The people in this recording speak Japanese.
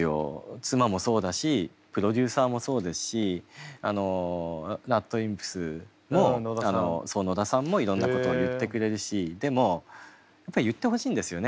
妻もそうだしプロデューサーもそうですしＲＡＤＷＩＭＰＳの野田さんもいろんなことを言ってくれるしでもやっぱり言ってほしいんですよね。